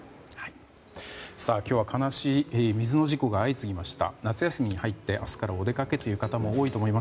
今日は悲しい水の事故が相次ぎました。